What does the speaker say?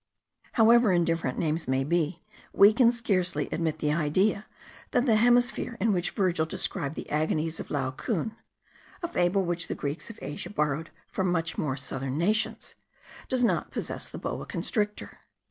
However indifferent names may be, we can scarcely admit the idea, that the hemisphere in which Virgil described the agonies of Laocoon (a fable which the Greeks of Asia borrowed from much more southern nations) does not possess the boa constrictor.